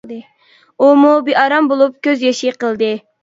ئۇمۇ بىئارام بولۇپ كۆز يېشى قىلدى.